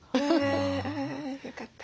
よかった。